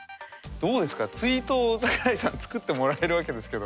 どうですかツイートを桜井さん作ってもらえるわけですけど。